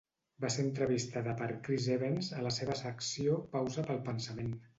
Va ser entrevistada per Chris Evans a la seva secció "Pausa pel pensament".